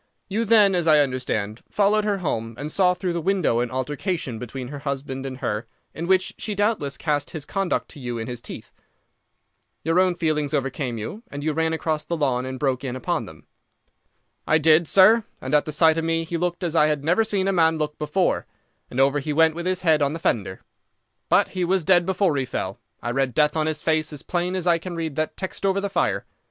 You then, as I understand, followed her home and saw through the window an altercation between her husband and her, in which she doubtless cast his conduct to you in his teeth. Your own feelings overcame you, and you ran across the lawn and broke in upon them." "I did, sir, and at the sight of me he looked as I have never seen a man look before, and over he went with his head on the fender. But he was dead before he fell. I read death on his face as plain as I can read that text over the fire.